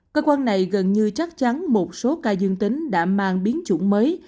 cơ quan này gần như chắc chắn một số ca dương tính đã mang biến chủng mới